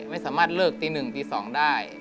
ไม่สามารถเลิกตี๑ตี๒ได้